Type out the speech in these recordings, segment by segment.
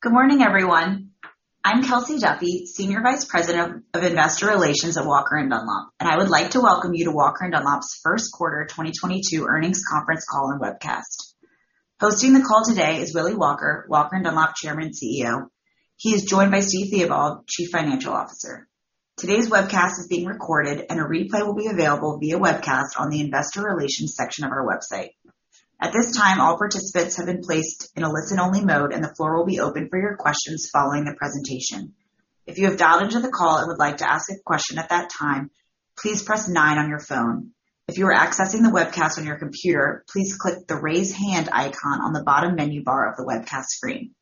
Good morning, everyone. I'm Kelsey Duffey, Senior Vice President of Investor Relations at Walker & Dunlop. I would like to welcome you to Walker & Dunlop's first quarter 2022 earnings conference call and webcast. Hosting the call today is Willy Walker & Dunlop Chairman, CEO. He is joined by Steve Theobald, Chief Financial Officer. Today's webcast is being recorded and a replay will be available via webcast on the investor relations section of our website. At this time, all participants have been placed in a listen-only mode, and the floor will be open for your questions following the presentation. If you have dialed into the call and would like to ask a question at that time, please press nine on your phone. If you are accessing the webcast on your computer, please click the Raise Hand icon on the bottom menu bar of the webcast screen.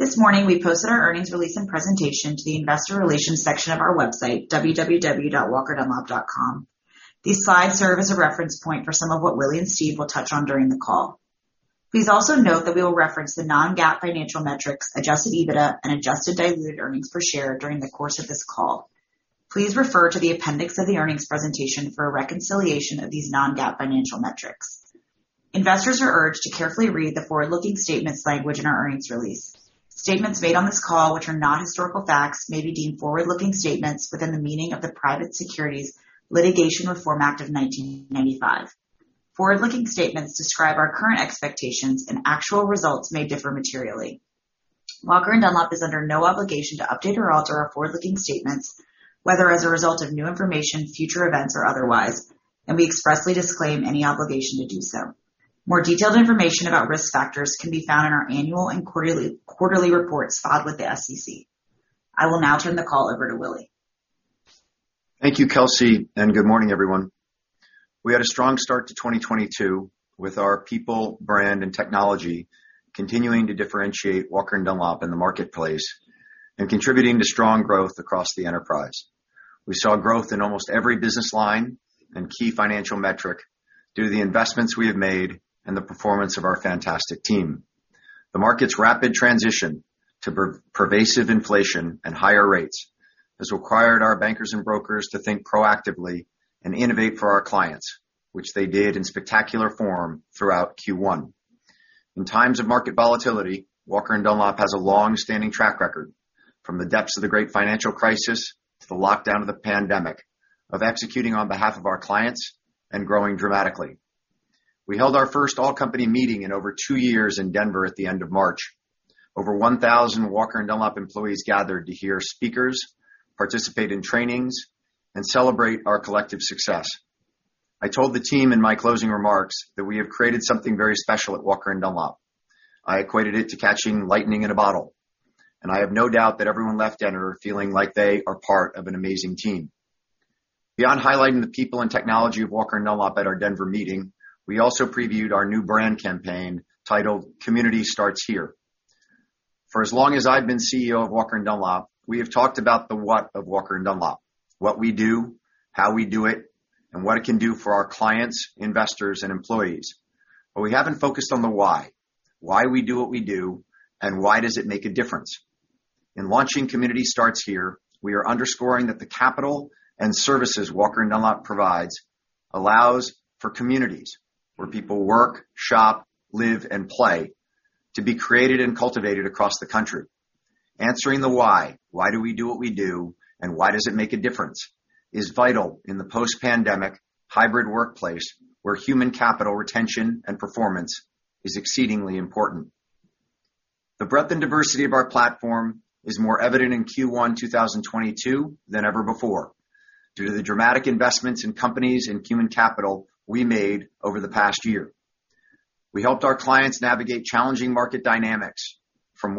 This morning, we posted our earnings release and presentation to the investor relations section of our website, www.walkerdunlop.com. These slides serve as a reference point for some of what Willy and Steve will touch on during the call. Please also note that we will reference the non-GAAP financial metrics, adjusted EBITDA, and adjusted diluted earnings per share during the course of this call. Please refer to the appendix of the earnings presentation for a reconciliation of these non-GAAP financial metrics. Investors are urged to carefully read the forward-looking statements language in our earnings release. Statements made on this call which are not historical facts may be deemed forward-looking statements within the meaning of the Private Securities Litigation Reform Act of 1995. Forward-looking statements describe our current expectations and actual results may differ materially. Walker & Dunlop is under no obligation to update or alter our forward-looking statements, whether as a result of new information, future events, or otherwise, and we expressly disclaim any obligation to do so. More detailed information about risk factors can be found in our annual and quarterly reports filed with the SEC. I will now turn the call over to Willy. Thank you, Kelsey, and good morning, everyone. We had a strong start to 2022 with our people, brand, and technology continuing to differentiate Walker & Dunlop in the marketplace and contributing to strong growth across the enterprise. We saw growth in almost every business line and key financial metric due to the investments we have made and the performance of our fantastic team. The market's rapid transition to pervasive inflation and higher rates has required our bankers and brokers to think proactively and innovate for our clients, which they did in spectacular form throughout Q1. In times of market volatility, Walker & Dunlop has a long-standing track record from the depths of the great financial crisis to the lockdown of the pandemic of executing on behalf of our clients and growing dramatically. We held our first all-company meeting in over two years in Denver at the end of March. Over 1,000 Walker & Dunlop employees gathered to hear speakers, participate in trainings, and celebrate our collective success. I told the team in my closing remarks that we have created something very special at Walker & Dunlop. I equated it to catching lightning in a bottle, and I have no doubt that everyone left Denver feeling like they are part of an amazing team. Beyond highlighting the people and technology of Walker & Dunlop at our Denver meeting, we also previewed our new brand campaign titled Community Starts Here. For as long as I've been CEO of Walker & Dunlop, we have talked about the what of Walker & Dunlop, what we do, how we do it, and what it can do for our clients, investors, and employees. We haven't focused on the why. Why we do what we do, and why does it make a difference. In launching Community Starts Here, we are underscoring that the capital and services Walker & Dunlop provides allows for communities where people work, shop, live, and play to be created and cultivated across the country. Answering the why do we do what we do and why does it make a difference, is vital in the post-pandemic hybrid workplace, where human capital retention and performance is exceedingly important. The breadth and diversity of our platform is more evident in Q1 2022 than ever before due to the dramatic investments in companies and human capital we made over the past year. We helped our clients navigate challenging market dynamics from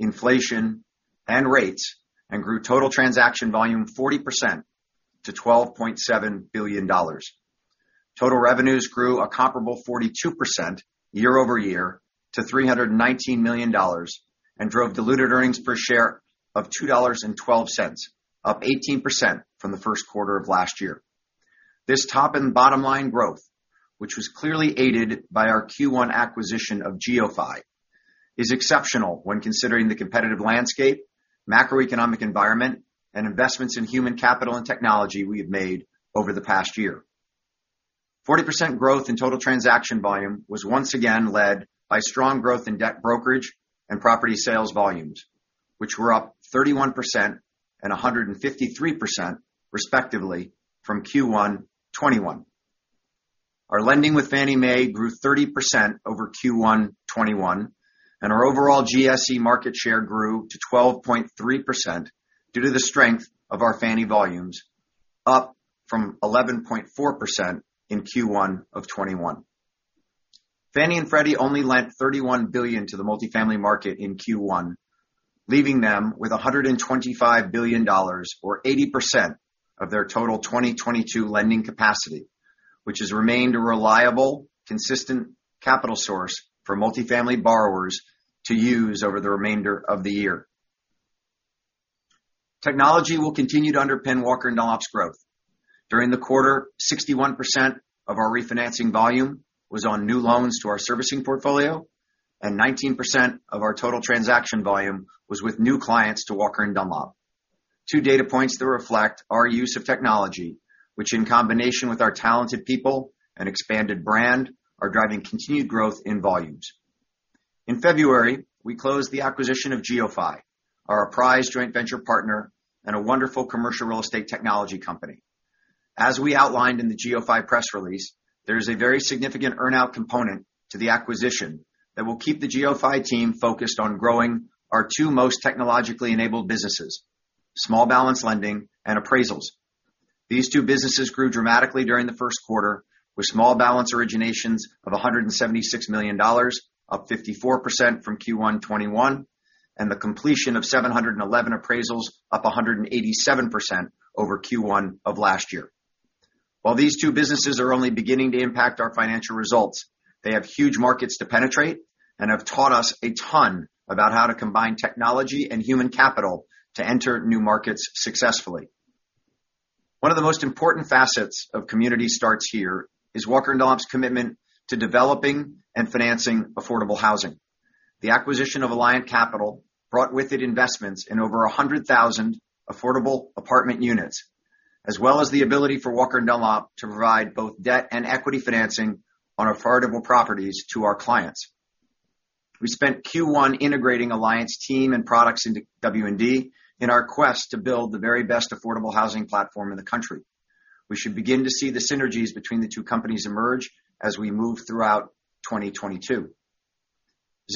war, inflation, and rates, and grew total transaction volume 40% to $12.7 billion. Total revenues grew a comparable 42% year-over-year to $319 million, and drove diluted earnings per share of $2.12, up 18% from the first quarter of last year. This top and bottom line growth, which was clearly aided by our Q1 acquisition of GeoPhy, is exceptional when considering the competitive landscape, macroeconomic environment, and investments in human capital and technology we have made over the past year. 40% growth in total transaction volume was once again led by strong growth in debt brokerage and property sales volumes, which were up 31% and 153% respectively from Q1 2021. Our lending with Fannie Mae grew 30% over Q1 2021, and our overall GSE market share grew to 12.3% due to the strength of our Fannie volumes, up from 11.4% in Q1 of 2021. Fannie and Freddie only lent $31 billion to the multifamily market in Q1, leaving them with $125 billion or 80% of their total 2022 lending capacity, which has remained a reliable, consistent capital source for multifamily borrowers to use over the remainder of the year. Technology will continue to underpin Walker & Dunlop's growth. During the quarter, 61% of our refinancing volume was on new loans to our servicing portfolio, and 19% of our total transaction volume was with new clients to Walker & Dunlop. Two data points that reflect our use of technology, which in combination with our talented people and expanded brand, are driving continued growth in volumes. In February, we closed the acquisition of GeoPhy, our prized joint venture partner and a wonderful commercial real estate technology company. As we outlined in the GeoPhy press release, there is a very significant earn-out component to the acquisition that will keep the GeoPhy team focused on growing our two most technologically enabled businesses, small balance lending and appraisals. These two businesses grew dramatically during the first quarter, with small balance originations of $176 million, up 54% from Q1 2021, and the completion of 711 appraisals, up 187% over Q1 of last year. While these two businesses are only beginning to impact our financial results, they have huge markets to penetrate and have taught us a ton about how to combine technology and human capital to enter new markets successfully. One of the most important facets of Community Starts Here is Walker & Dunlop's commitment to developing and financing affordable housing. The acquisition of Alliant Capital brought with it investments in over 100,000 affordable apartment units, as well as the ability for Walker & Dunlop to provide both debt and equity financing on affordable properties to our clients. We spent Q1 integrating Alliant Capital's team and products into W&D in our quest to build the very best affordable housing platform in the country. We should begin to see the synergies between the two companies emerge as we move throughout 2022.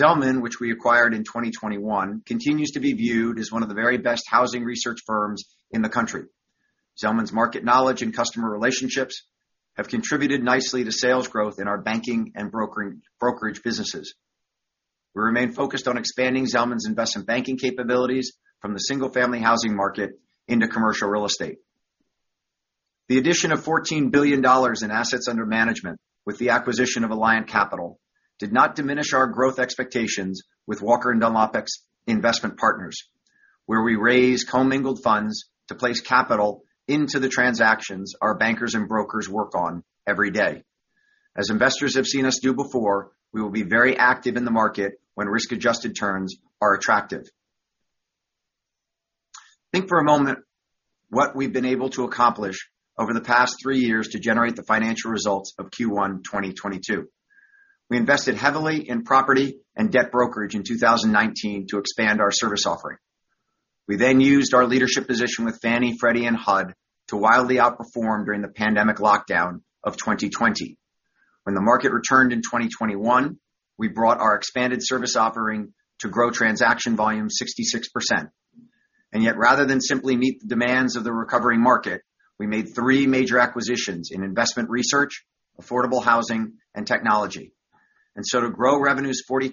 Zelman, which we acquired in 2021, continues to be viewed as one of the very best housing research firms in the country. Zelman's market knowledge and customer relationships have contributed nicely to sales growth in our banking and brokerage businesses. We remain focused on expanding Zelman's investment banking capabilities from the single-family housing market into commercial real estate. The addition of $14 billion in assets under management with the acquisition of Alliant Capital did not diminish our growth expectations with Walker & Dunlop Investment Partners, where we raise commingled funds to place capital into the transactions our bankers and brokers work on every day. As investors have seen us do before, we will be very active in the market when risk-adjusted terms are attractive. Think for a moment what we've been able to accomplish over the past three years to generate the financial results of Q1 2022. We invested heavily in property and debt brokerage in 2019 to expand our service offering. We then used our leadership position with Fannie, Freddie, and HUD to wildly outperform during the pandemic lockdown of 2020. When the market returned in 2021, we brought our expanded service offering to grow transaction volume 66%. Rather than simply meet the demands of the recovery market, we made three major acquisitions in investment research, affordable housing, and technology. To grow revenues 42%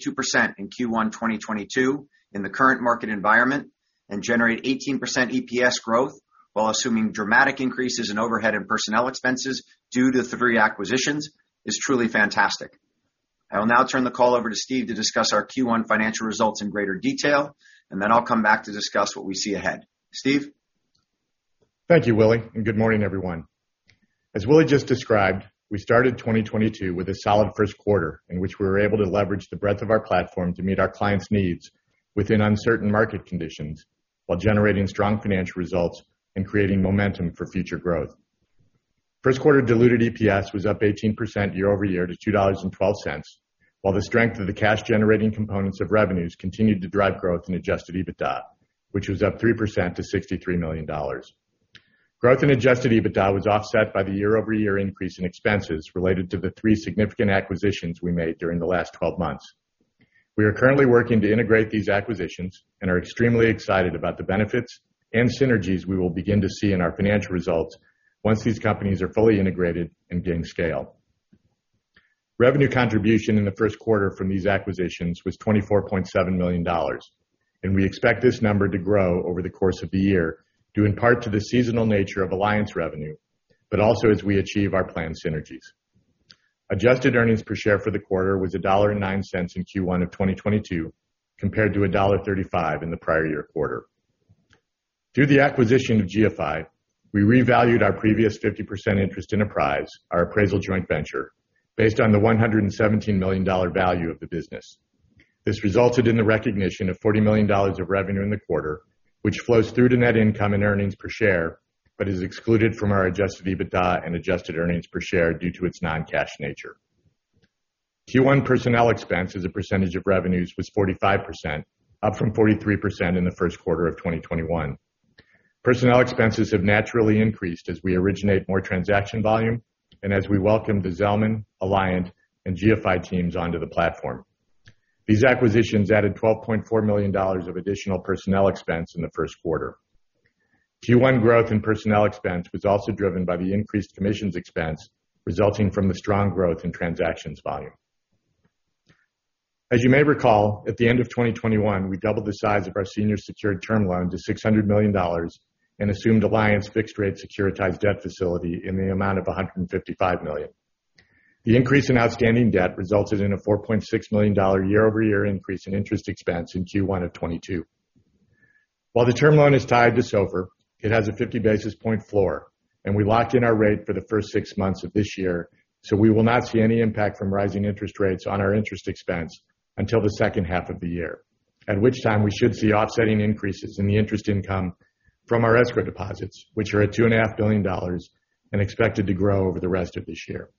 in Q1 2022 in the current market environment and generate 18% EPS growth while assuming dramatic increases in overhead and personnel expenses due to the three acquisitions is truly fantastic. I will now turn the call over to Steve to discuss our Q1 financial results in greater detail, and then I'll come back to discuss what we see ahead. Steve? Thank you, Willy, and good morning, everyone. As Willy just described, we started 2022 with a solid first quarter in which we were able to leverage the breadth of our platform to meet our clients' needs within uncertain market conditions while generating strong financial results and creating momentum for future growth. First quarter diluted EPS was up 18% year-over-year to $2.12, while the strength of the cash-generating components of revenues continued to drive growth in adjusted EBITDA, which was up 3% to $63 million. Growth in adjusted EBITDA was offset by the year-over-year increase in expenses related to the three significant acquisitions we made during the last 12 months. We are currently working to integrate these acquisitions and are extremely excited about the benefits and synergies we will begin to see in our financial results once these companies are fully integrated and gain scale. Revenue contribution in the first quarter from these acquisitions was $24.7 million, and we expect this number to grow over the course of the year, due in part to the seasonal nature of Alliant revenue, but also as we achieve our planned synergies. Adjusted earnings per share for the quarter was $1.09 in Q1 of 2022, compared to $1.35 in the prior-year quarter. Through the acquisition of GeoPhy, we revalued our previous 50% interest in Apprise, our appraisal joint venture, based on the $117 million value of the business. This resulted in the recognition of $40 million of revenue in the quarter, which flows through to net income and earnings per share but is excluded from our adjusted EBITDA and adjusted earnings per share due to its non-cash nature. Q1 personnel expense as a percentage of revenues was 45%, up from 43% in the first quarter of 2021. Personnel expenses have naturally increased as we originate more transaction volume and as we welcome the Zelman, Alliant, and GeoPhy teams onto the platform. These acquisitions added $12.4 million of additional personnel expense in the first quarter. Q1 growth in personnel expense was also driven by the increased commissions expense resulting from the strong growth in transactions volume. As you may recall, at the end of 2021, we doubled the size of our senior secured term loan to $600 million and assumed Alliant's fixed rate securitized debt facility in the amount of $155 million. The increase in outstanding debt resulted in a $4.6 million year-over-year increase in interest expense in Q1 of 2022. While the term loan is tied to SOFR, it has a fifty basis point floor. We locked in our rate for the first six months of this year, so we will not see any impact from rising interest rates on our interest expense until the second half of the year. At which time we should see offsetting increases in the interest income from our escrow deposits, which are at $2.5 billion and expected to grow over the rest of this year.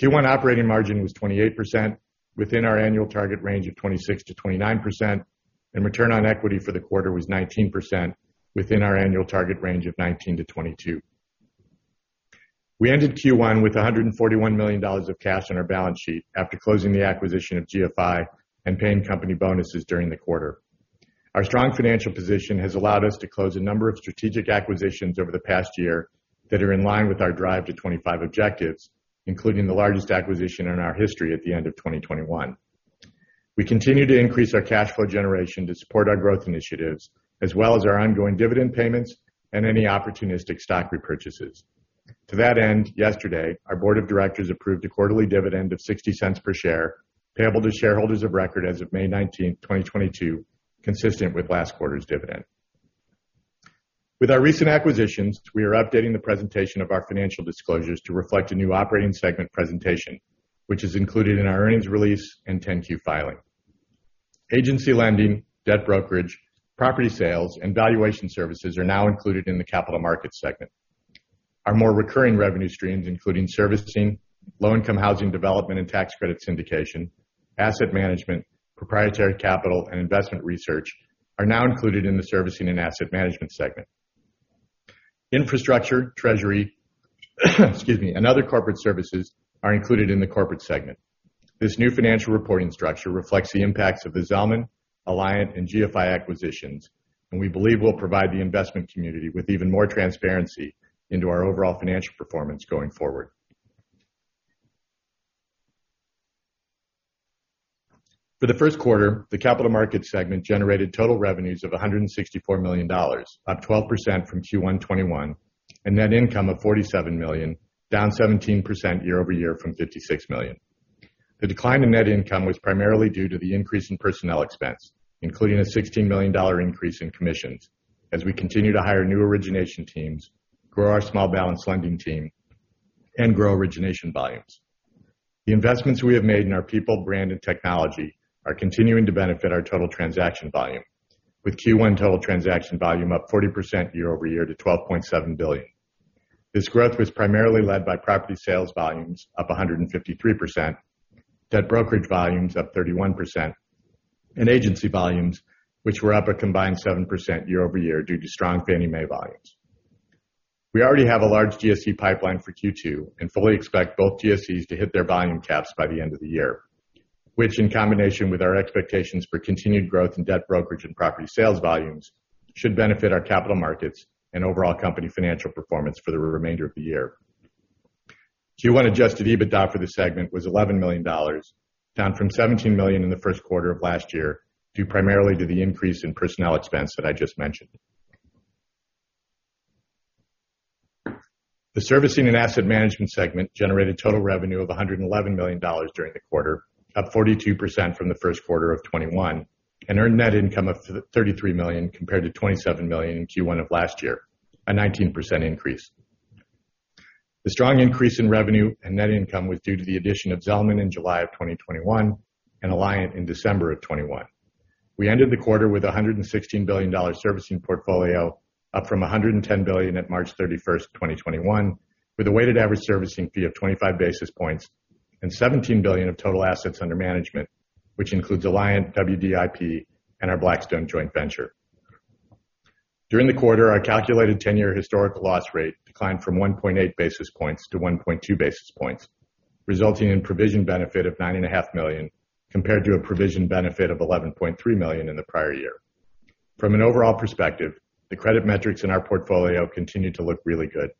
Q1 operating margin was 28% within our annual target range of 26%-29%, and return on equity for the quarter was 19% within our annual target range of 19%-22%. We ended Q1 with $141 million of cash on our balance sheet after closing the acquisition of GeoPhy and paying company bonuses during the quarter. Our strong financial position has allowed us to close a number of strategic acquisitions over the past year that are in line with our Drive to 2025 objectives, including the largest acquisition in our history at the end of 2021. We continue to increase our cash flow generation to support our growth initiatives as well as our ongoing dividend payments and any opportunistic stock repurchases. To that end, yesterday, our board of directors approved a quarterly dividend of $0.60 per share, payable to shareholders of record as of May 19, 2022, consistent with last quarter's dividend. With our recent acquisitions, we are updating the presentation of our financial disclosures to reflect a new operating segment presentation, which is included in our earnings release and 10-Q filing. Agency lending, debt brokerage, property sales, and valuation services are now included in the capital market segment. Our more recurring revenue streams, including servicing, low-income housing development and tax credit syndication, asset management, proprietary capital, and investment research, are now included in the servicing and asset management segment. Infrastructure, treasury, excuse me, and other corporate services are included in the corporate segment. This new financial reporting structure reflects the impacts of the Zelman, Alliant, and GeoPhy acquisitions, and we believe will provide the investment community with even more transparency into our overall financial performance going forward. For the first quarter, the capital markets segment generated total revenues of $164 million, up 12% from Q1 2021, and net income of $47 million, down 17% year-over-year from $56 million. The decline in net income was primarily due to the increase in personnel expense, including a $16 million increase in commissions as we continue to hire new origination teams, grow our small balance lending team, and grow origination volumes. The investments we have made in our people, brand, and technology are continuing to benefit our total transaction volume, with Q1 total transaction volume up 40% year-over-year to $12.7 billion. This growth was primarily led by property sales volumes up 153%, debt brokerage volumes up 31%, and agency volumes, which were up a combined 7% year-over-year due to strong Fannie Mae volumes. We already have a large GSE pipeline for Q2 and fully expect both GSEs to hit their volume caps by the end of the year, which in combination with our expectations for continued growth in debt brokerage and property sales volumes should benefit our capital markets and overall company financial performance for the remainder of the year. Q1 adjusted EBITDA for this segment was $11 million, down from $17 million in the first quarter of last year, due primarily to the increase in personnel expense that I just mentioned. The servicing and asset management segment generated total revenue of $111 million during the quarter, up 42% from the first quarter of 2021, and earned net income of $33 million compared to $27 million in Q1 of last year, a 19% increase. The strong increase in revenue and net income was due to the addition of Zelman in July of 2021 and Alliant in December of 2021. We ended the quarter with a $116 billion servicing portfolio, up from $110 billion at March 31st, 2021, with a weighted average servicing fee of 25 basis points and $17 billion of total assets under management, which includes Alliant, WDIP, and our Blackstone joint venture. During the quarter, our calculated ten-year historical loss rate declined from 1.8 basis points-1.2 basis points, resulting in provision benefit of $9.5 million compared to a provision benefit of $11.3 million in the prior-year. From an overall perspective, the credit metrics in our portfolio continued to look really good.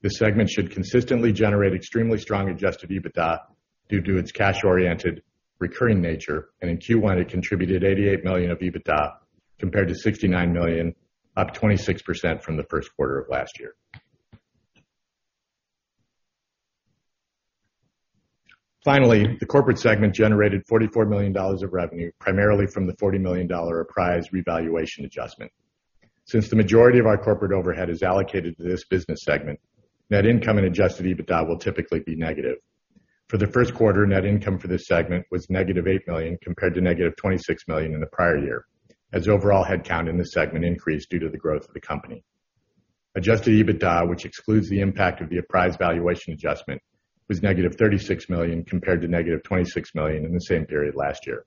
This segment should consistently generate extremely strong adjusted EBITDA due to its cash-oriented recurring nature, and in Q1, it contributed $88 million of EBITDA compared to $69 million, up 26% from the first quarter of last year. Finally, the corporate segment generated $44 million of revenue, primarily from the $40 million appraised revaluation adjustment. Since the majority of our corporate overhead is allocated to this business segment, net income and adjusted EBITDA will typically be negative. For the first quarter, net income for this segment was -$8 million compared to -$26 million in the prior-year, as overall headcount in this segment increased due to the growth of the company. Adjusted EBITDA, which excludes the impact of the Apprise valuation adjustment, was -$36 million compared to -$26 million in the same period last year.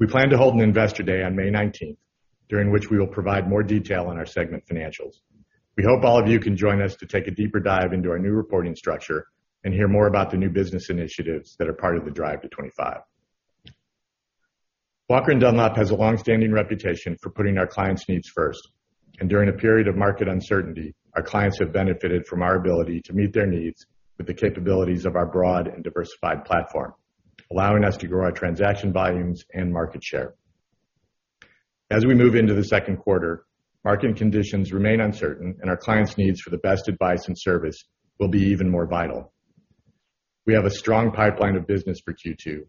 We plan to hold an investor day on May 19th, during which we will provide more detail on our segment financials. We hope all of you can join us to take a deeper dive into our new reporting structure and hear more about the new business initiatives that are part of the Drive to 2025. Walker & Dunlop has a long-standing reputation for putting our clients' needs first. During a period of market uncertainty, our clients have benefited from our ability to meet their needs with the capabilities of our broad and diversified platform, allowing us to grow our transaction volumes and market share. As we move into the second quarter, market conditions remain uncertain and our clients' needs for the best advice and service will be even more vital. We have a strong pipeline of business for Q2.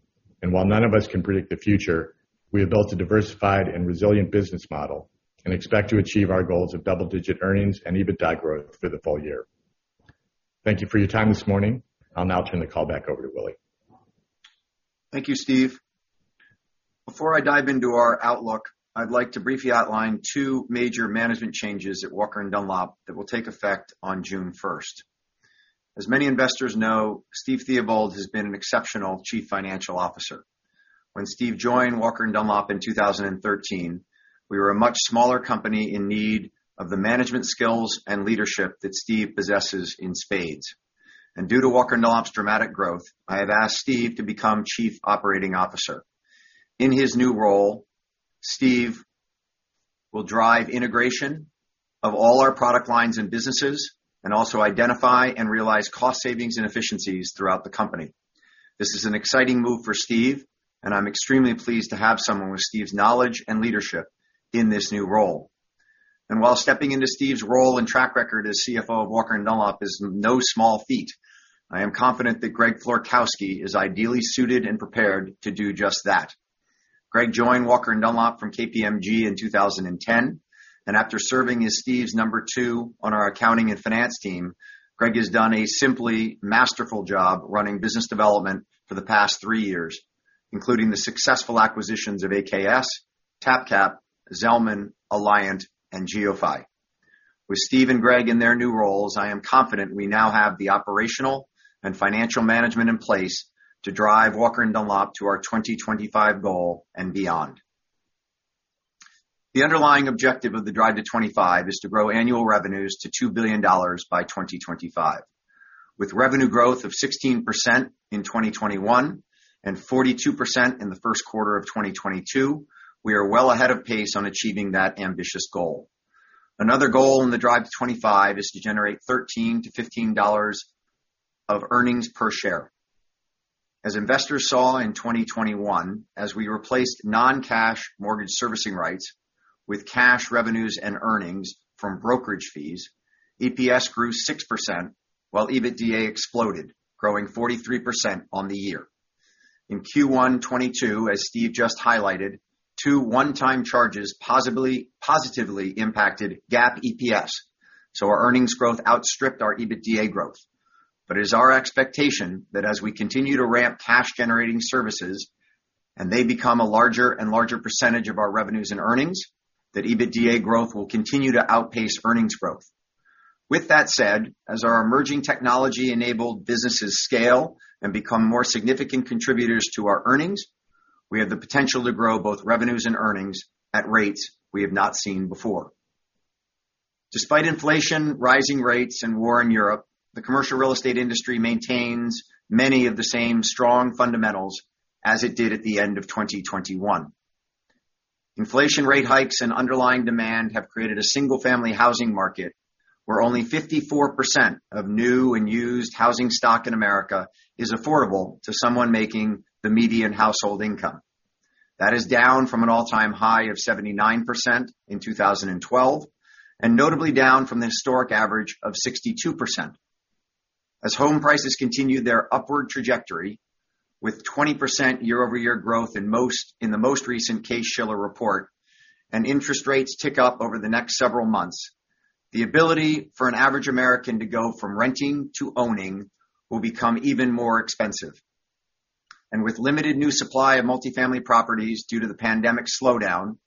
While none of us can predict the future, we have built a diversified and resilient business model and expect to achieve our goals of double-digit earnings and EBITDA growth for the full-year. Thank you for your time this morning. I'll now turn the call back over to Willy. Thank you, Steve. Before I dive into our outlook, I'd like to briefly outline two major management changes at Walker & Dunlop that will take effect on June first. As many investors know, Steve Theobald has been an exceptional Chief Financial Officer. When Steve joined Walker & Dunlop in 2013, we were a much smaller company in need of the management skills and leadership that Steve possesses in spades. Due to Walker & Dunlop's dramatic growth, I have asked Steve to become Chief Operating Officer. In his new role, Steve will drive integration of all our product lines and businesses and also identify and realize cost savings and efficiencies throughout the company. This is an exciting move for Steve, and I'm extremely pleased to have someone with Steve's knowledge and leadership in this new role. While stepping into Steve's role and track record as CFO of Walker & Dunlop is no small feat, I am confident that Greg Florkowski is ideally suited and prepared to do just that. Greg joined Walker & Dunlop from KPMG in 2010, and after serving as Steve's number two on our accounting and finance team, Greg has done a simply masterful job running business development for the past three years, including the successful acquisitions of AKS, TapCap, Zelman, Alliant, and GeoPhy. With Steve and Greg in their new roles, I am confident we now have the operational and financial management in place to drive Walker & Dunlop to our 2025 goal and beyond. The underlying objective of the Drive to 2025 is to grow annual revenues to $2 billion by 2025. With revenue growth of 16% in 2021 and 42% in the first quarter of 2022, we are well ahead of pace on achieving that ambitious goal. Another goal in the Drive to 2025 is to generate $13-$15 of earnings per share. As investors saw in 2021, as we replaced non-cash mortgage servicing rights with cash revenues and earnings from brokerage fees, EPS grew 6% while EBITDA exploded, growing 43% on the year. In Q1 2022, as Steve just highlighted, two one-time charges positively impacted GAAP EPS, so our earnings growth outstripped our EBITDA growth. It is our expectation that as we continue to ramp cash-generating services and they become a larger and larger percentage of our revenues and earnings, that EBITDA growth will continue to outpace earnings growth. With that said, as our emerging technology-enabled businesses scale and become more significant contributors to our earnings, we have the potential to grow both revenues and earnings at rates we have not seen before. Despite inflation, rising rates, and war in Europe, the commercial real estate industry maintains many of the same strong fundamentals as it did at the end of 2021. Inflation rate hikes and underlying demand have created a single-family housing market where only 54% of new and used housing stock in America is affordable to someone making the median household income. That is down from an all-time high of 79% in 2012, and notably down from the historic average of 62%. As home prices continue their upward trajectory with 20% year-over-year growth in the most recent Case-Shiller report and interest rates tick up over the next several months, the ability for an average American to go from renting to owning will become even more expensive. With limited new supply of multifamily properties due to the pandemic slowdown,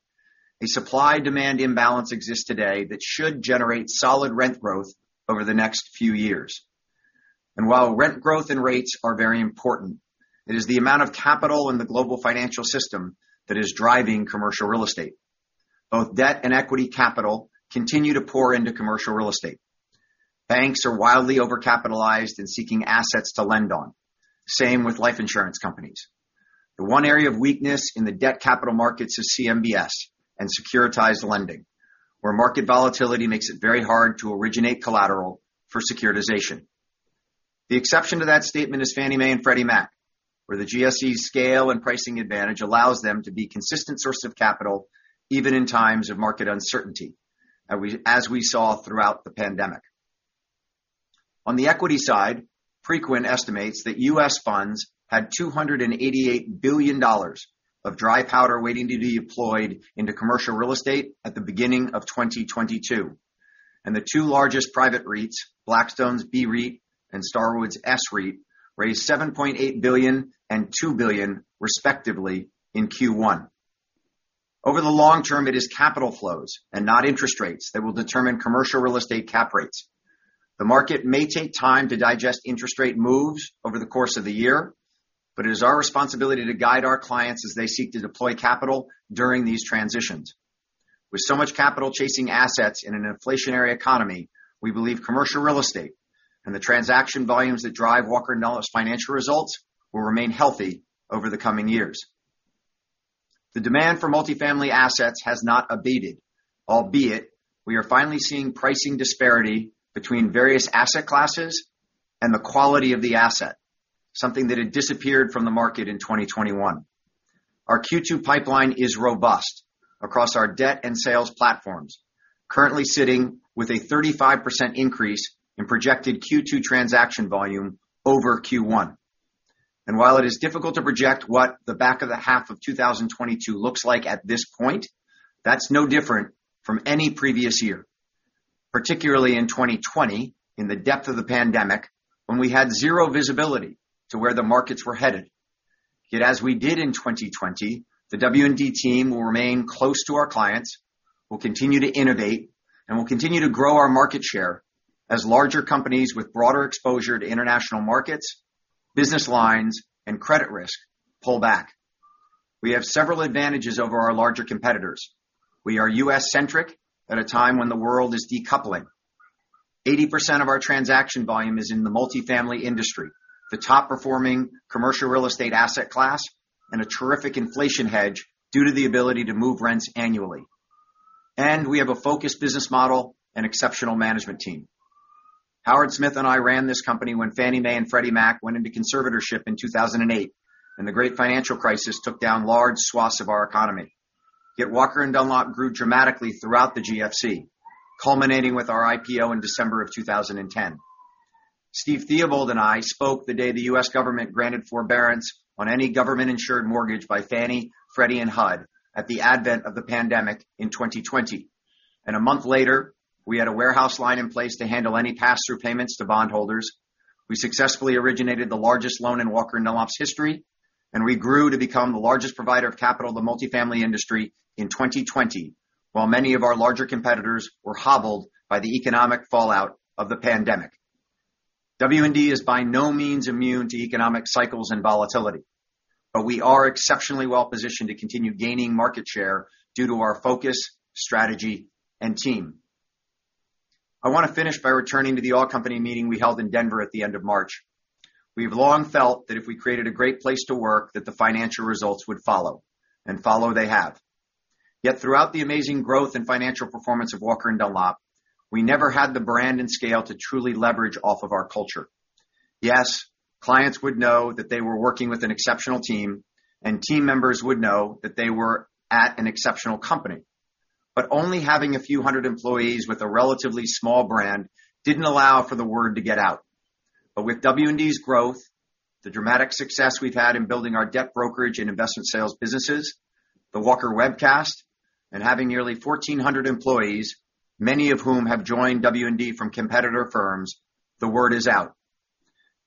a supply-demand imbalance exists today that should generate solid rent growth over the next few years. While rent growth and rates are very important, it is the amount of capital in the global financial system that is driving commercial real estate. Both debt and equity capital continue to pour into commercial real estate. Banks are wildly overcapitalized and seeking assets to lend on. Same with life insurance companies. The one area of weakness in the debt capital markets is CMBS and securitized lending, where market volatility makes it very hard to originate collateral for securitization. The exception to that statement is Fannie Mae and Freddie Mac, where the GSE scale and pricing advantage allows them to be consistent sources of capital even in times of market uncertainty, as we saw throughout the pandemic. On the equity side, Preqin estimates that U.S. funds had $288 billion of dry powder waiting to be deployed into commercial real estate at the beginning of 2022. The two largest private REITs, Blackstone's BREIT and Starwood's SREIT, raised $7.8 billion and $2 billion respectively in Q1. Over the long term, it is capital flows and not interest rates that will determine commercial real estate cap rates. The market may take time to digest interest rate moves over the course of the year, but it is our responsibility to guide our clients as they seek to deploy capital during these transitions. With so much capital chasing assets in an inflationary economy, we believe commercial real estate and the transaction volumes that drive Walker & Dunlop's financial results will remain healthy over the coming years. The demand for multifamily assets has not abated, albeit we are finally seeing pricing disparity between various asset classes and the quality of the asset, something that had disappeared from the market in 2021. Our Q2 pipeline is robust across our debt and sales platforms, currently sitting with a 35% increase in projected Q2 transaction volume over Q1. While it is difficult to project what the back half of 2022 looks like at this point, that's no different from any previous year, particularly in 2020, in the depth of the pandemic when we had zero visibility to where the markets were headed. Yet as we did in 2020, the W&D team will remain close to our clients. We'll continue to innovate, and we'll continue to grow our market share as larger companies with broader exposure to international markets, business lines, and credit risk pull back. We have several advantages over our larger competitors. We are U.S.-centric at a time when the world is decoupling. 80% of our transaction volume is in the multifamily industry, the top-performing commercial real estate asset class and a terrific inflation hedge due to the ability to move rents annually. We have a focused business model and exceptional management team. Howard Smith and I ran this company when Fannie Mae and Freddie Mac went into conservatorship in 2008, and the great financial crisis took down large swaths of our economy. Yet Walker & Dunlop grew dramatically throughout the GFC, culminating with our IPO in December of 2010. Steve Theobald and I spoke the day the U.S. government granted forbearance on any government-insured mortgage by Fannie, Freddie, and HUD at the advent of the pandemic in 2020. A month later, we had a warehouse line in place to handle any pass-through payments to bond holders. We successfully originated the largest loan in Walker & Dunlop's history, and we grew to become the largest provider of capital to the multifamily industry in 2020, while many of our larger competitors were hobbled by the economic fallout of the pandemic. W&D is by no means immune to economic cycles and volatility, but we are exceptionally well-positioned to continue gaining market share due to our focus, strategy, and team. I want to finish by returning to the all-company meeting we held in Denver at the end of March. We've long felt that if we created a great place to work, that the financial results would follow, and follow they have. Yet throughout the amazing growth and financial performance of Walker & Dunlop, we never had the brand and scale to truly leverage off of our culture. Yes, clients would know that they were working with an exceptional team, and team members would know that they were at an exceptional company. Only having a few hundred employees with a relatively small brand didn't allow for the word to get out. With W&D's growth, the dramatic success we've had in building our debt brokerage and investment sales businesses, the Walker Webcast, and having nearly 1,400 employees, many of whom have joined W&D from competitor firms, the word is out.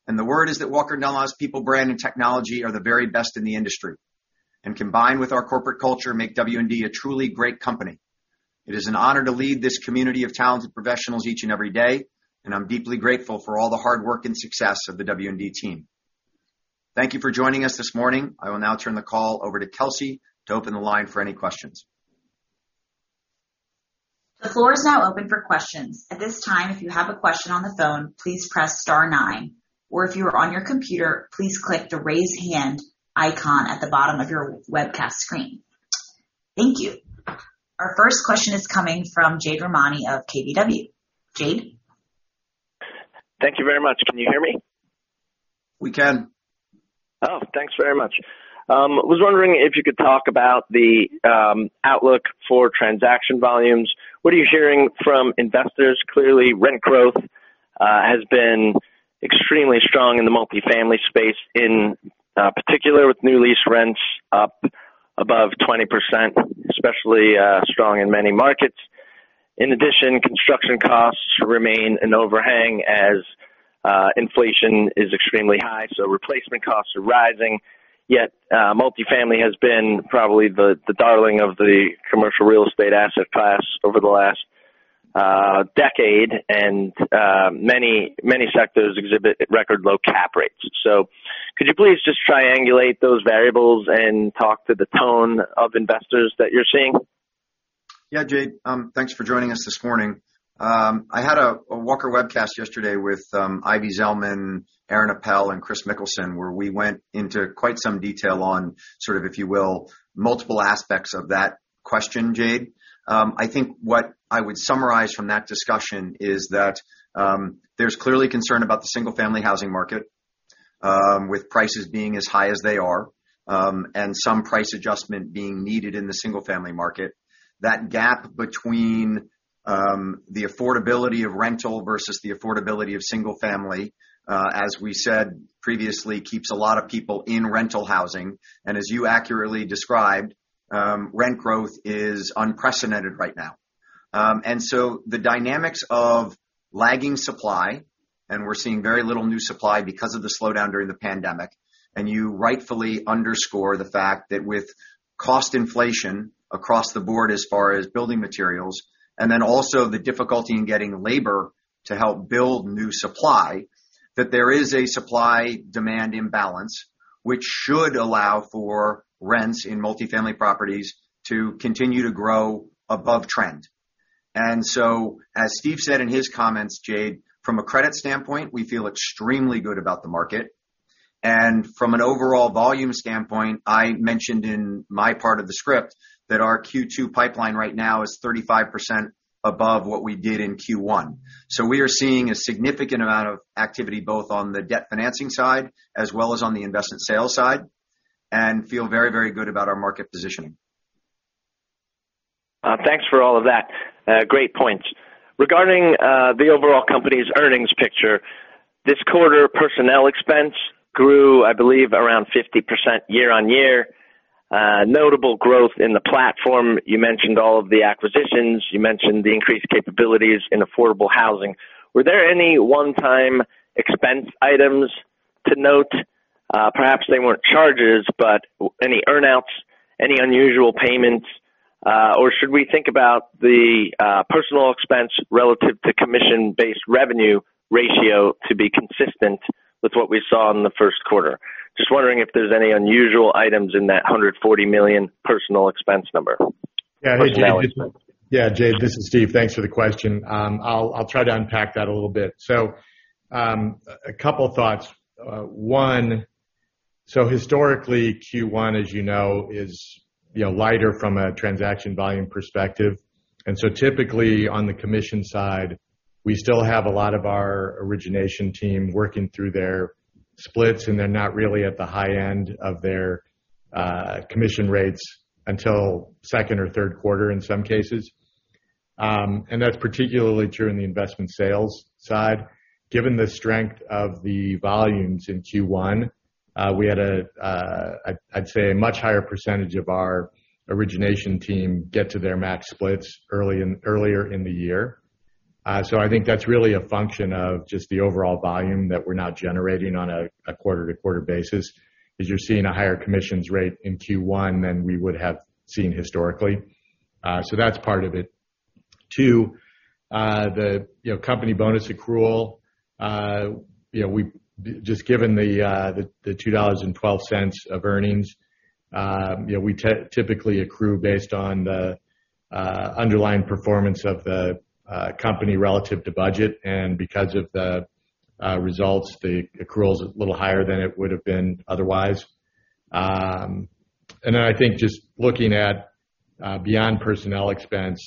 The word is that Walker & Dunlop's people brand and technology are the very best in the industry, and combined with our corporate culture, make W&D a truly great company. It is an honor to lead this community of talented professionals each and every day, and I'm deeply grateful for all the hard work and success of the W&D team. Thank you for joining us this morning. I will now turn the call over to Kelsey to open the line for any questions. The floor is now open for questions. At this time, if you have a question on the phone, please press star nine, or if you are on your computer, please click the raise hand icon at the bottom of your webcast screen. Thank you. Our first question is coming from Jade Rahmani of KBW. Jade? Thank you very much. Can you hear me? We can. Oh, thanks very much. Was wondering if you could talk about the outlook for transaction volumes. What are you hearing from investors? Clearly, rent growth has been extremely strong in the multifamily space, in particular with new lease rents up above 20%, especially strong in many markets. In addition, construction costs remain an overhang as inflation is extremely high, so replacement costs are rising. Yet, multifamily has been probably the darling of the commercial real estate asset class over the last decade, and many sectors exhibit record low cap rates. Could you please just triangulate those variables and talk to the tone of investors that you're seeing? Yeah, Jade. Thanks for joining us this morning. I had a Walker Webcast yesterday with Ivy Zelman, Aaron Appel, and Chris Mickelson, where we went into quite some detail on sort of, if you will, multiple aspects of that question, Jade. I think what I would summarize from that discussion is that there's clearly concern about the single-family housing market with prices being as high as they are, and some price adjustment being needed in the single-family market. That gap between the affordability of rental versus the affordability of single family, as we said previously, keeps a lot of people in rental housing, and as you accurately described, rent growth is unprecedented right now. The dynamics of lagging supply, and we're seeing very little new supply because of the slowdown during the pandemic, and you rightfully underscore the fact that with cost inflation across the board as far as building materials, and then also the difficulty in getting labor to help build new supply, that there is a supply-demand imbalance which should allow for rents in multifamily properties to continue to grow above trend. As Steve said in his comments, Jade, from a credit standpoint, we feel extremely good about the market. From an overall volume standpoint, I mentioned in my part of the script that our Q2 pipeline right now is 35% above what we did in Q1. We are seeing a significant amount of activity, both on the debt financing side as well as on the investment sales side, and feel very, very good about our market positioning. Thanks for all of that. Great points. Regarding the overall company's earnings picture, this quarter personnel expense grew, I believe, around 50% year-over-year. Notable growth in the platform. You mentioned all of the acquisitions, you mentioned the increased capabilities in affordable housing. Were there any one-time expense items to note? Perhaps they weren't charges, but any earn-outs, any unusual payments? Or should we think about the personnel expense relative to commission-based revenue ratio to be consistent with what we saw in the first quarter? Just wondering if there's any unusual items in that $140 million personnel expense number. Yeah. Hey, Jay. Jay, this is Steve. Thanks for the question. I'll try to unpack that a little bit. A couple thoughts. One, historically, Q1, as you know, is you know, lighter from a transaction volume perspective. Typically on the commission side, we still have a lot of our origination team working through their splits, and they're not really at the high end of their commission rates until second or third quarter in some cases. That's particularly true in the investment sales side. Given the strength of the volumes in Q1, we had, I'd say a much higher percentage of our origination team get to their max splits early in the year. I think that's really a function of just the overall volume that we're now generating on a quarter-to-quarter basis. You're seeing a higher commission rate in Q1 than we would have seen historically. That's part of it. Two, the you know, company bonus accrual. You know, just given the $2.12 of earnings, you know, we typically accrue based on the underlying performance of the company relative to budget. Because of the results, the accrual's a little higher than it would've been otherwise. I think just looking at, beyond personnel expense,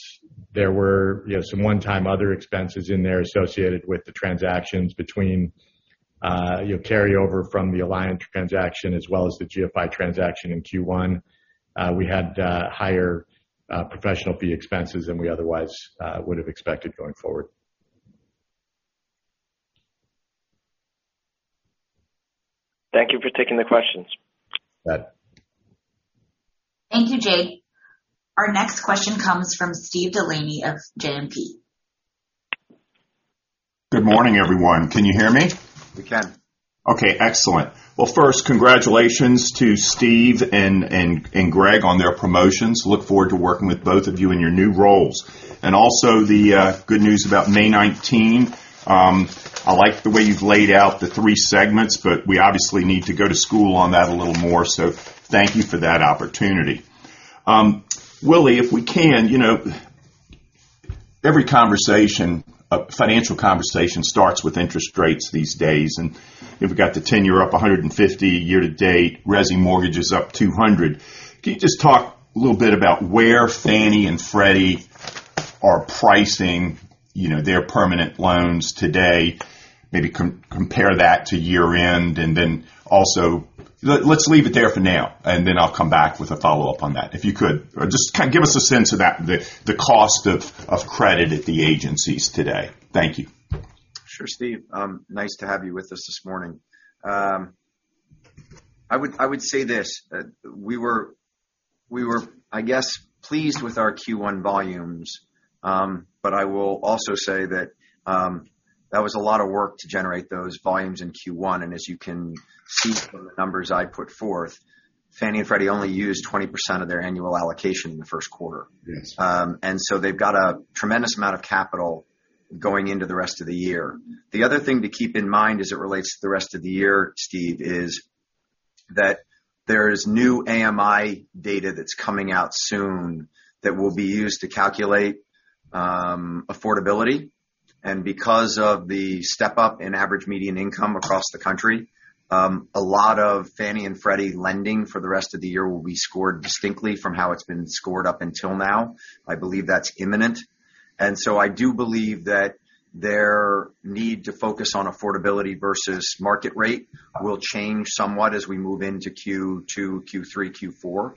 there were, you know, some one-time other expenses in there associated with the transactions between, you know, carryover from the Alliant transaction as well as the GFI transaction in Q1. We had higher professional fee expenses than we otherwise would've expected going forward. Thank you for taking the questions. You bet. Thank you, Jay. Our next question comes from Steve DeLaney of JMP. Good morning, everyone. Can you hear me? We can. Okay, excellent. Well, first, congratulations to Steve and Greg on their promotions. Look forward to working with both of you in your new roles. Also the good news about May 19. I like the way you've laid out the three segments, but we obviously need to go to school on that a little more. Thank you for that opportunity. Willy, if we can, you know, every conversation financial conversation starts with interest rates these days. You've got the 10-year up 150 year-to-date, resi mortgage is up 200. Can you just talk a little bit about where Fannie and Freddie are pricing, you know, their permanent loans today? Maybe compare that to year-end. Let's leave it there for now, and then I'll come back with a follow-up on that, if you could. Just kind of give us a sense of that, the cost of credit at the agencies today? Thank you. Sure, Steve. Nice to have you with us this morning. I would say this, we were, I guess, pleased with our Q1 volumes. But I will also say that that was a lot of work to generate those volumes in Q1. As you can see from the numbers I put forth, Fannie and Freddie only used 20% of their annual allocation in the first quarter. Yes. They've got a tremendous amount of capital going into the rest of the year. The other thing to keep in mind as it relates to the rest of the year, Steve, is that there is new AMI data that's coming out soon that will be used to calculate affordability. Because of the step up in average median income across the country, a lot of Fannie and Freddie lending for the rest of the year will be scored distinctly from how it's been scored up until now. I believe that's imminent. I do believe that their need to focus on affordability versus market rate will change somewhat as we move into Q2, Q3, Q4.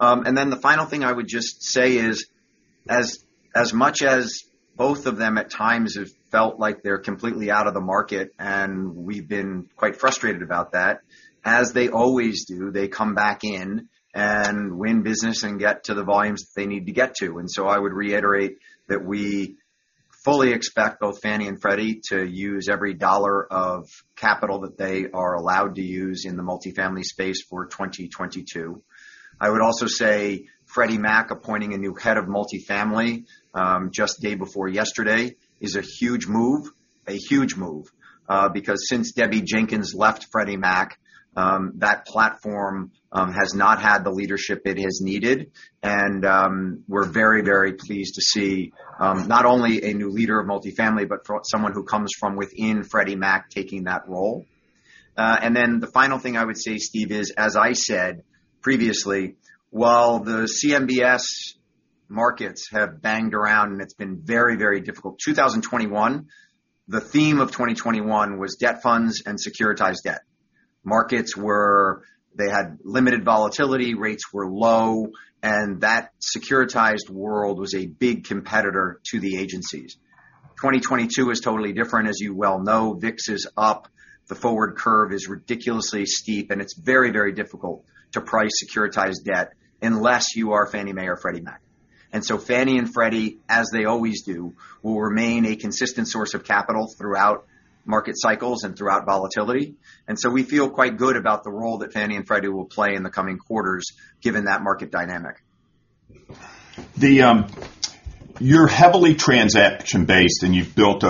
The final thing I would just say is as much as both of them at times have felt like they're completely out of the market, and we've been quite frustrated about that, as they always do, they come back in and win business and get to the volumes that they need to get to. I would reiterate that we fully expect both Fannie and Freddie to use every dollar of capital that they are allowed to use in the multifamily space for 2022. I would also say Freddie Mac appointing a new head of multifamily just day before yesterday is a huge move. Because since Deborah Jenkins left Freddie Mac, that platform has not had the leadership it has needed. We're very, very pleased to see not only a new leader of multifamily, but for someone who comes from within Freddie Mac taking that role. The final thing I would say, Steve, is, as I said previously, while the CMBS markets have banged around and it's been very, very difficult, 2021, the theme of 2021 was debt funds and securitized debt. Markets were. They had limited volatility, rates were low, and that securitized world was a big competitor to the agencies. 2022 is totally different, as you well know. VIX is up, the forward curve is ridiculously steep, and it's very, very difficult to price securitized debt unless you are Fannie Mae or Freddie Mac. Fannie and Freddie, as they always do, will remain a consistent source of capital throughout market cycles and throughout volatility. We feel quite good about the role that Fannie and Freddie will play in the coming quarters given that market dynamic. You're heavily transaction based, and you've built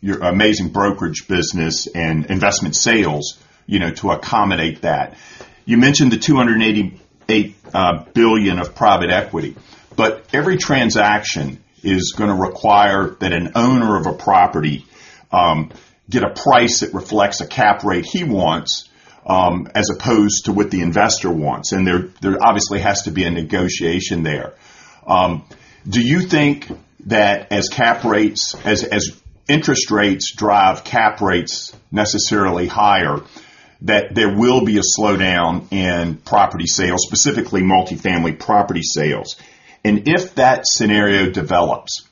your amazing brokerage business and investment sales, you know, to accommodate that. You mentioned the $288 billion of private equity, but every transaction is gonna require that an owner of a property get a price that reflects a cap rate he wants as opposed to what the investor wants. There obviously has to be a negotiation there. Do you think that as interest rates drive cap rates necessarily higher, that there will be a slowdown in property sales, specifically multifamily property sales? If that scenario develops,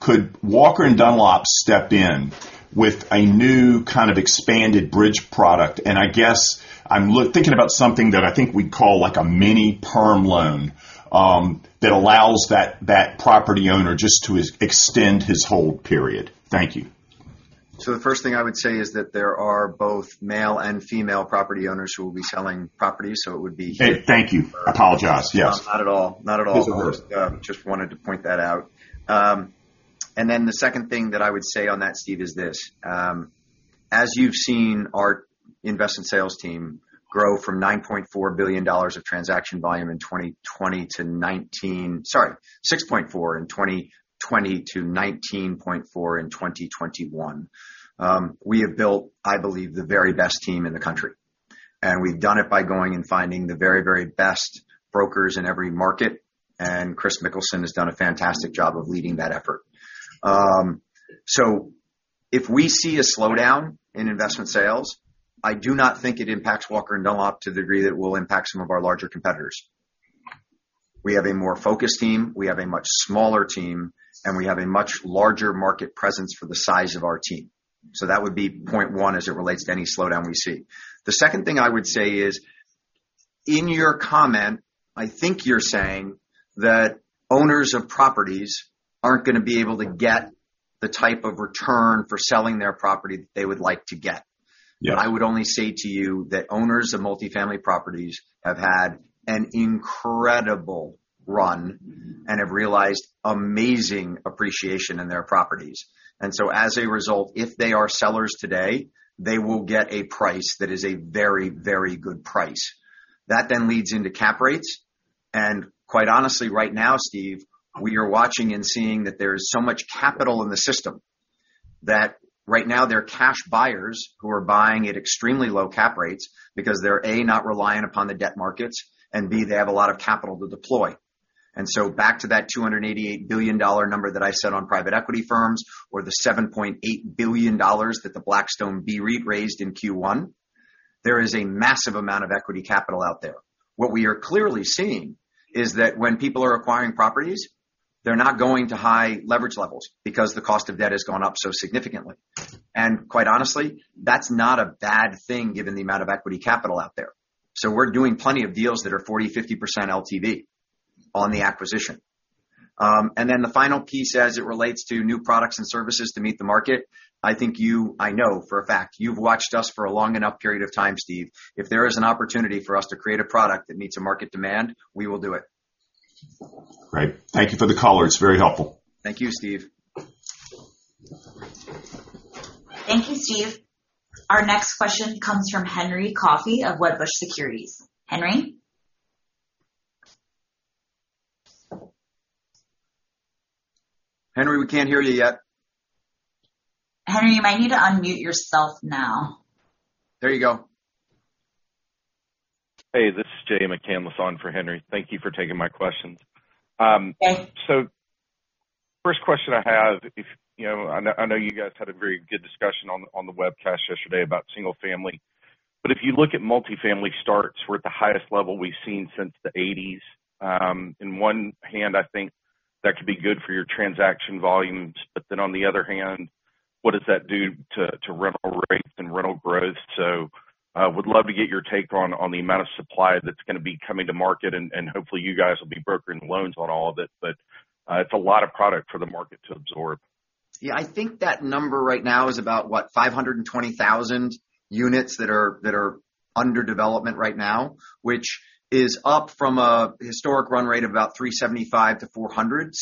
could Walker & Dunlop step in with a new kind of expanded bridge product? I guess I'm thinking about something that I think we'd call like a mini perm loan, that allows that property owner just to extend his hold period. Thank you. The first thing I would say is that there are both male and female property owners who will be selling properties, so it would be. Thank you. Apologize. Yes. Not at all. Not at all. Please go ahead. Just wanted to point that out. The second thing that I would say on that, Steve, is this, as you've seen our investment sales team grow from $6.4 billion of transaction volume in 2020 to $19.4 billion in 2021. We have built, I believe, the very best team in the country. We have done it by going and finding the very, very best brokers in every market, and Chris Mickelson has done a fantastic job of leading that effort. If we see a slowdown in investment sales, I do not think it impacts Walker & Dunlop to the degree that it will impact some of our larger competitors. We have a more focused team, we have a much smaller team, and we have a much larger market presence for the size of our team. That would be point one as it relates to any slowdown we see. The second thing I would say is, in your comment, I think you're saying that owners of properties aren't gonna be able to get the type of return for selling their property that they would like to get. Yeah. I would only say to you that owners of multifamily properties have had an incredible run and have realized amazing appreciation in their properties. As a result, if they are sellers today, they will get a price that is a very, very good price. That then leads into cap rates, and quite honestly right now, Steve, we are watching and seeing that there is so much capital in the system that right now there are cash buyers who are buying at extremely low cap rates because they're, A, not reliant upon the debt markets, and B, they have a lot of capital to deploy. Back to that $288 billion number that I said on private equity firms or the $7.8 billion that the Blackstone BREIT raised in Q1, there is a massive amount of equity capital out there. What we are clearly seeing is that when people are acquiring properties, they're not going to high leverage levels because the cost of debt has gone up so significantly. Quite honestly, that's not a bad thing given the amount of equity capital out there. We're doing plenty of deals that are 40%-50% LTV on the acquisition. The final piece as it relates to new products and services to meet the market, I know for a fact you've watched us for a long enough period of time, Steve. If there is an opportunity for us to create a product that meets a market demand, we will do it. Great. Thank you for the color. It's very helpful. Thank you, Steve. Thank you, Steve. Our next question comes from Henry Coffey of Wedbush Securities. Henry? Henry, we can't hear you yet. Henry, you might need to unmute yourself now. There you go. Hey, this is Jay McCanless on for Henry. Thank you for taking my questions. Yes. First question I have, if you know, I know you guys had a very good discussion on the webcast yesterday about single family, but if you look at multifamily starts, we're at the highest level we've seen since the eighties. On one hand, I think that could be good for your transaction volumes, but then on the other hand, what does that do to rental rates and rental growth? Would love to get your take on the amount of supply that's gonna be coming to market, and hopefully you guys will be brokering loans on all of it. It's a lot of product for the market to absorb. Yeah. I think that number right now is about what? 520,000 units that are under development right now, which is up from a historic run rate of about 375-400.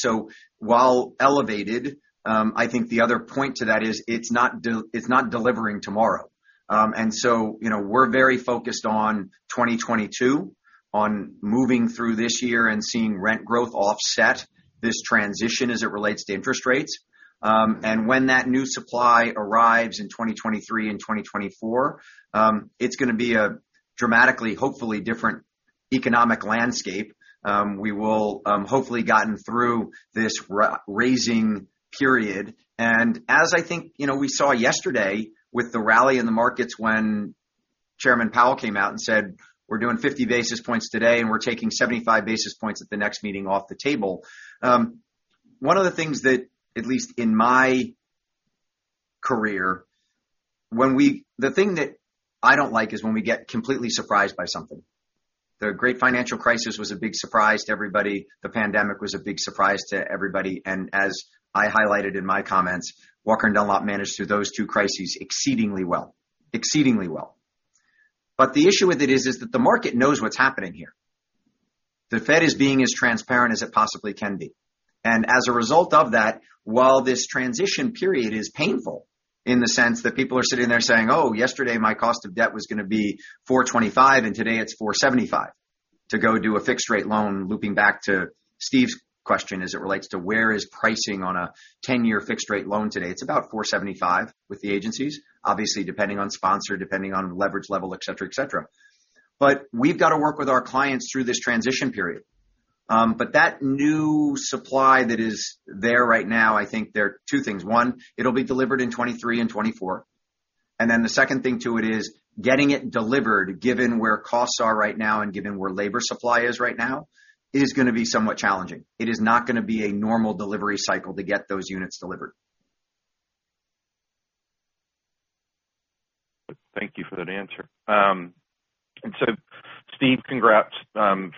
While elevated, I think the other point to that is it's not delivering tomorrow. You know, we're very focused on 2022, on moving through this year and seeing rent growth offset this transition as it relates to interest rates. When that new supply arrives in 2023 and 2024, it's gonna be a dramatically, hopefully different economic landscape. We will, hopefully, gotten through this rate-raising period. As I think, you know, we saw yesterday with the rally in the markets when Chairman Powell came out and said, "We're doing 50 basis points today, and we're taking 75 basis points at the next meeting off the table." One of the things that, at least in my career, the thing that I don't like is when we get completely surprised by something. The Great Financial Crisis was a big surprise to everybody. The pandemic was a big surprise to everybody. As I highlighted in my comments, Walker & Dunlop managed through those two crises exceedingly well, exceedingly well. The issue with it is that the market knows what's happening here. The Fed is being as transparent as it possibly can be. As a result of that, while this transition period is painful in the sense that people are sitting there saying, Oh, yesterday, my cost of debt was gonna be 4.25, and today it's 4.75. To go do a fixed rate loan, looping back to Steve's question as it relates to where is pricing on a 10-year fixed rate loan today. It's about 4.75 with the agencies, obviously, depending on sponsor, depending on leverage level, et cetera, et cetera. We've got to work with our clients through this transition period. That new supply that is there right now, I think there are two things. One, it'll be delivered in 2023 and 2024. Then the second thing to it is getting it delivered, given where costs are right now and given where labor supply is right now, is gonna be somewhat challenging. It is not gonna be a normal delivery cycle to get those units delivered. Thank you for that answer. Steve, congrats from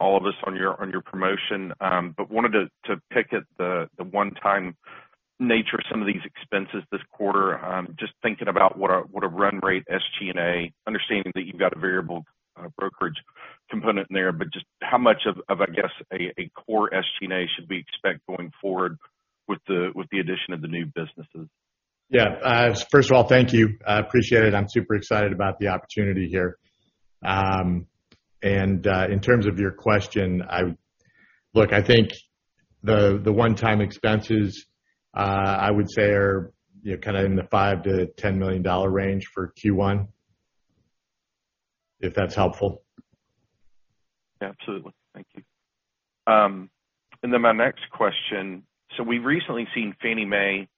all of us on your promotion. Wanted to pick at the one-time nature of some of these expenses this quarter. Just thinking about what a run rate SG&A, understanding that you've got a variable brokerage component in there, but just how much of, I guess, a core SG&A should we expect going forward with the addition of the new businesses? Yeah. First of all, thank you. I appreciate it. I'm super excited about the opportunity here. In terms of your question, look, I think the one-time expenses, I would say, are, you know, kinda in the $5-$10 million range for Q1, if that's helpful. Absolutely. Thank you. My next question. We've recently seen Fannie Mae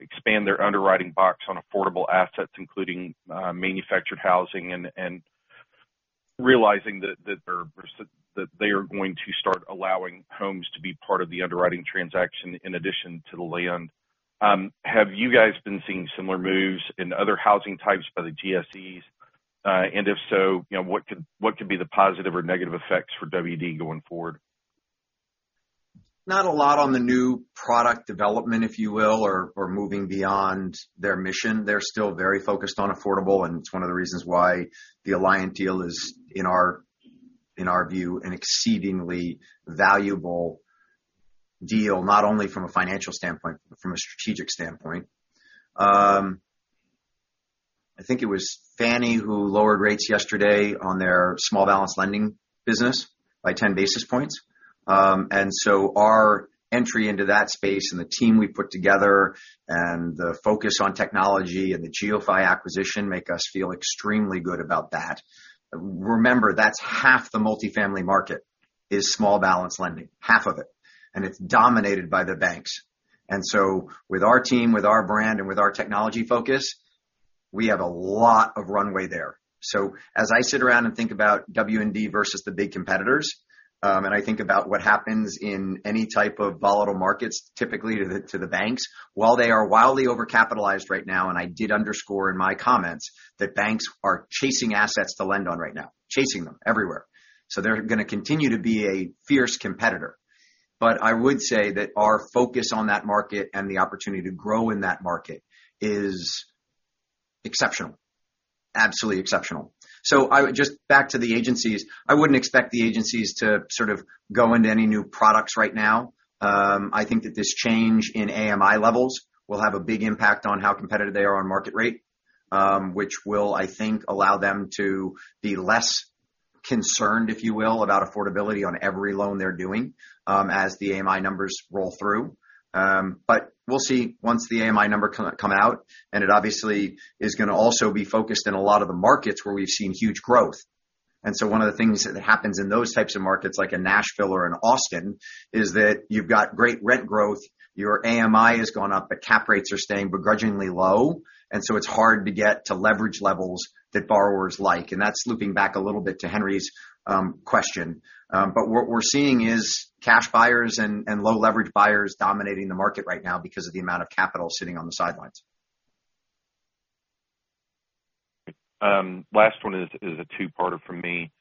expand their underwriting box on affordable assets, including manufactured housing and realizing that they are going to start allowing homes to be part of the underwriting transaction in addition to the land. Have you guys been seeing similar moves in other housing types by the GSEs? And if so, you know, what could be the positive or negative effects for WD going forward? Not a lot on the new product development, if you will, or moving beyond their mission. They're still very focused on affordable, and it's one of the reasons why the Alliant deal is, in our view, an exceedingly valuable deal, not only from a financial standpoint, but from a strategic standpoint. I think it was Fannie who lowered rates yesterday on their small balance lending business by 10 basis points. Our entry into that space and the team we put together and the focus on technology and the GeoPhy acquisition make us feel extremely good about that. Remember, that's half the multifamily market is small balance lending, half of it, and it's dominated by the banks. With our team, with our brand, and with our technology focus, we have a lot of runway there. As I sit around and think about W&D versus the big competitors, and I think about what happens in any type of volatile markets, typically to the banks, while they are wildly overcapitalized right now, and I did underscore in my comments that banks are chasing assets to lend on right now, chasing them everywhere. They're gonna continue to be a fierce competitor. I would say that our focus on that market and the opportunity to grow in that market is exceptional. Absolutely exceptional. I would just back to the agencies. I wouldn't expect the agencies to sort of go into any new products right now. I think that this change in AMI levels will have a big impact on how competitive they are on market rate, which will, I think, allow them to be less concerned, if you will, about affordability on every loan they're doing, as the AMI numbers roll through. We'll see once the AMI numbers come out, and it obviously is gonna also be focused in a lot of the markets where we've seen huge growth. One of the things that happens in those types of markets, like in Nashville or in Austin, is that you've got great rent growth, your AMI has gone up, but cap rates are staying begrudgingly low, and so it's hard to get to leverage levels that borrowers like. That's looping back a little bit to Henry's question. What we're seeing is cash buyers and low leverage buyers dominating the market right now because of the amount of capital sitting on the sidelines. Last one is a two-parter from me.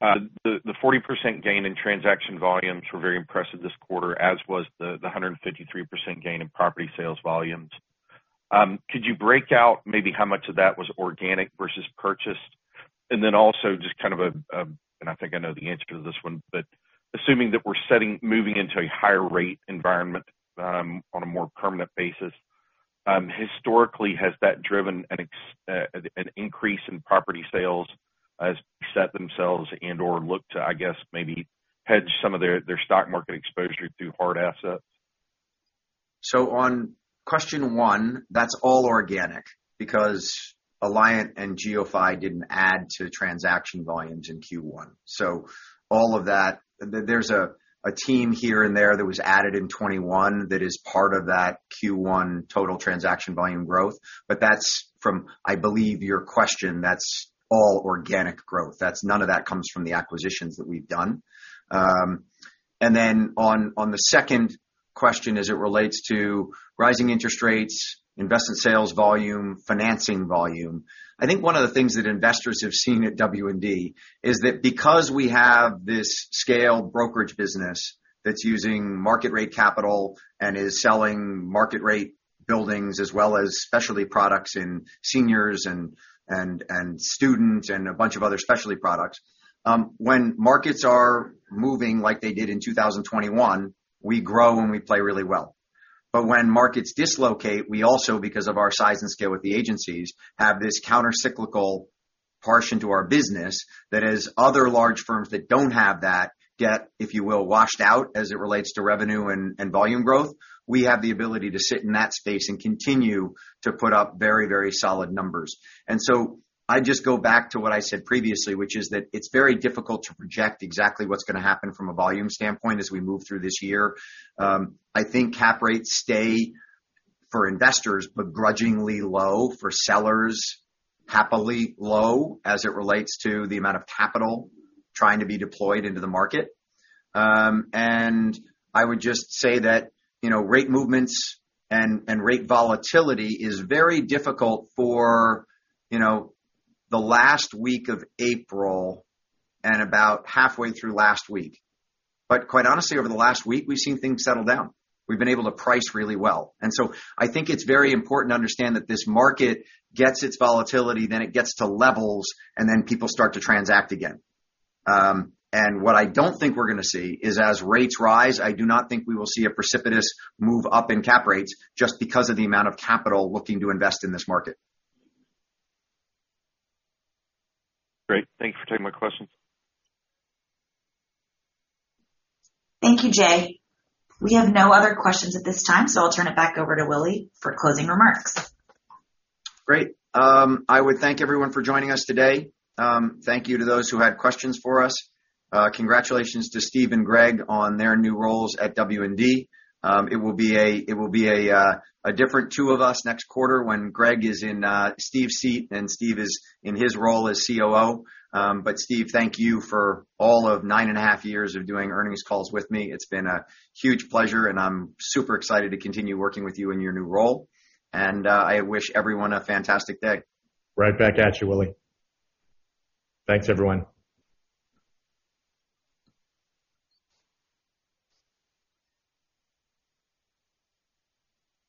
The 40% gain in transaction volumes were very impressive this quarter, as was the 153% gain in property sales volumes. Could you break out maybe how much of that was organic versus purchased? Then also just kind of, I think I know the answer to this one, but assuming that we're moving into a higher rate environment on a more permanent basis, historically, has that driven an increase in property sales as set themselves and/or look to, I guess, maybe hedge some of their stock market exposure through hard assets? On question one, that's all organic because Alliant and GeoPhy didn't add to transaction volumes in Q1. All of that. There's a team here and there that was added in 2021 that is part of that Q1 total transaction volume growth. But that's from, I believe your question, that's all organic growth. None of that comes from the acquisitions that we've done. And then on the second question as it relates to rising interest rates, investment sales volume, financing volume. I think one of the things that investors have seen at W&D is that because we have this scale brokerage business that's using market rate capital and is selling market rate buildings as well as specialty products in seniors and students and a bunch of other specialty products, when markets are moving like they did in 2021, we grow, and we play really well. When markets dislocate, we also, because of our size and scale with the agencies, have this countercyclical portion to our business that has other large firms that don't have that get, if you will, washed out as it relates to revenue and volume growth. We have the ability to sit in that space and continue to put up very, very solid numbers. I just go back to what I said previously, which is that it's very difficult to project exactly what's gonna happen from a volume standpoint as we move through this year. I think cap rates stay for investors, begrudgingly low for sellers, happily low as it relates to the amount of capital trying to be deployed into the market. I would just say that, you know, rate movements and rate volatility is very difficult for, you know, the last week of April and about halfway through last week. Quite honestly, over the last week, we've seen things settle down. We've been able to price really well. I think it's very important to understand that this market gets its volatility, then it gets to levels, and then people start to transact again. What I don't think we're gonna see is as rates rise, I do not think we will see a precipitous move up in cap rates just because of the amount of capital looking to invest in this market. Great. Thanks for taking my questions. Thank you, Jay. We have no other questions at this time, so I'll turn it back over to Willy for closing remarks. Great. I would thank everyone for joining us today. Thank you to those who had questions for us. Congratulations to Steve and Greg on their new roles at W&D. It will be a different two of us next quarter when Greg is in Steve's seat and Steve is in his role as COO. But Steve, thank you for all of 9.5 years of doing earnings calls with me. It's been a huge pleasure, and I'm super excited to continue working with you in your new role. I wish everyone a fantastic day. Right back at you, Willy. Thanks, everyone.